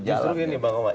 justru ini bang omang